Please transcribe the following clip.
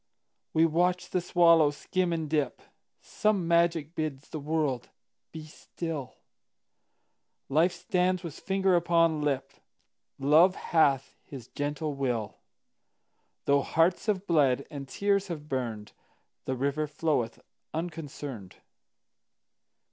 We watch the swallow skim and dip; Some magic bids the world be still; Life stands with finger upon lip; Love hath his gentle will; Though hearts have bled, and tears have burned, The river floweth unconcerned.